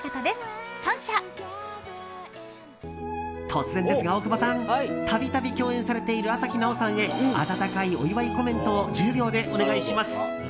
突然ですが大久保さん。度々共演されている朝日奈央さんへ温かいお祝いコメントを１０秒でお願いします。